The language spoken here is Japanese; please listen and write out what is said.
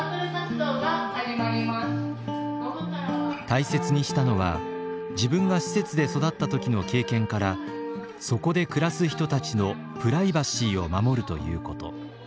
大切にしたのは自分が施設で育った時の経験からそこで暮らす人たちのプライバシーを守るということ。